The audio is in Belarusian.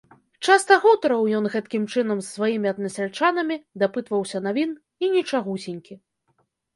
Часта гутарыў ён гэткім чынам з сваімі аднасяльчанамі, дапытваўся навін, і нічагусенькі.